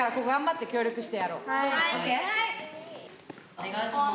・おねがいします。